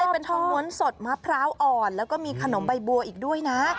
เป็นทองม้วนสดมะพร้าวอ่อนแล้วก็มีขนมใบบัวอีกด้วยนะ